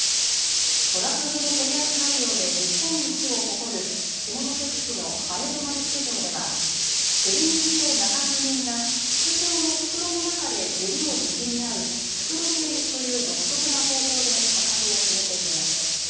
トラフグの取り扱い量で日本一を誇る下関市の南風泊市場では競り人と仲買人が筒状の袋の中で指を握り合う袋競りという独特な方法で価格を決めていきます。